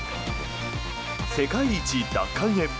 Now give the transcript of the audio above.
世界一奪還へ。